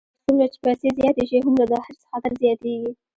هر څومره چې پیسې زیاتې شي، هومره د حرص خطر زیاتېږي.